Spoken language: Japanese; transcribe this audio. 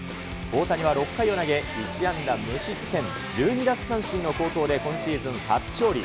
大谷は６回を投げ、１安打無失点１２奪三振の好投で、今シーズン初勝利。